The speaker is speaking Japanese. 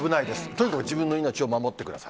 とにかく自分の命を守ってください。